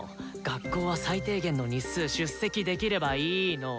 学校は最低限の日数出席できればいいの。